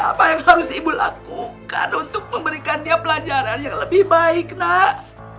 apa yang harus ibu lakukan untuk memberikan dia pelajaran yang lebih baik nak